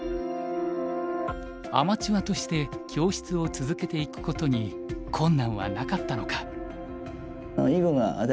アマチュアとして教室を続けていくことに困難はなかったのか。